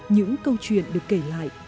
những câu chuyện được kể lại